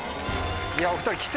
いやお２人。